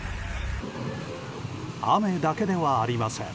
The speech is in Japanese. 雨だけではありません。